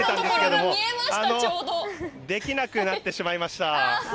できなくなってしまいました。